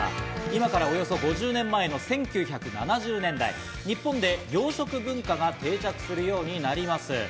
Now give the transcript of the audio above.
今からおよそ５０年前の１９７０年代、日本で洋食文化が定着するようになります。